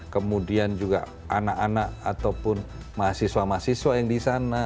kemudian juga anak anak ataupun mahasiswa mahasiswa yang di sana